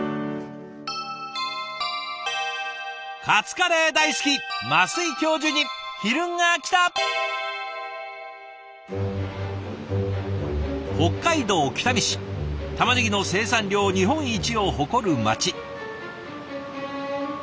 カツカレー大好き北海道北見市たまねぎの生産量日本一を誇る町。